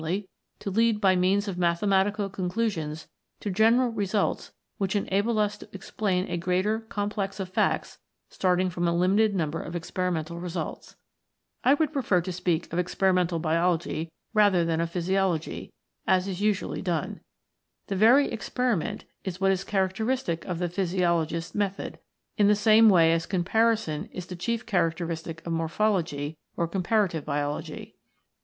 to lead by means of mathematical conclusions to general results which enable us to explain a greater complex of facts starting from a limited number of experi mental results. I would prefer to speak of Ex perimental Biology rather than of Physiology, as is 4 BIOLOGY AND CHEMISTRY usually done. The very experiment is what is characteristic of the physiologist's method, in the same way as comparison is the chief characteristic of Morphology or Comparative Biology.